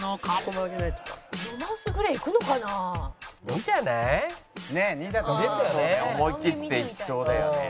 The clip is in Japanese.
思いきっていきそうだよね。